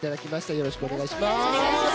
よろしくお願いします。